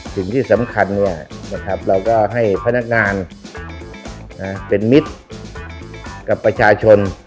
สิ่งที่สำคัญเราก็ให้พนักงานเป็นมิตรกับประชาชน